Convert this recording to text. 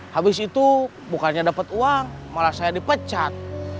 habis itu bukannya dapat uang malah saya dipecat